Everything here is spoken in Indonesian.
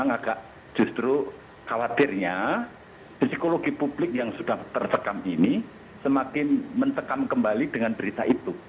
agak justru khawatirnya psikologi publik yang sudah tersekam ini semakin mencekam kembali dengan berita itu